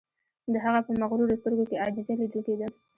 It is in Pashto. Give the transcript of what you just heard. د هغه په مغرورو سترګو کې عاجزی لیدل کیده